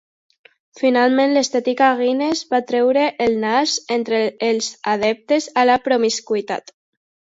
Finalment l'estètica Guinness va treure el nas entre els adeptes a la promiscuïtat.